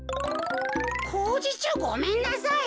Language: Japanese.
「工事中ごめんなさい」。